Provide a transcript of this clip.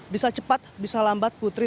bisa cepat bisa lambat putri